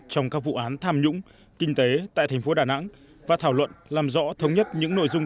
trong các vụ án tham nhũng kinh tế tại thành phố đà nẵng và thảo luận làm rõ thống nhất những nội dung